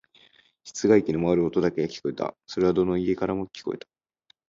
室外機の回る音だけが聞こえた。それはどの家からも聞こえた。